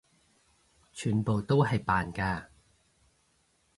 全部都係扮㗎！